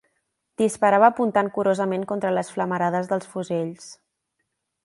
Disparava apuntant curosament contra les flamarades dels fusells